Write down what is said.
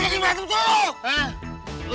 nggak ngajakin berantem tuh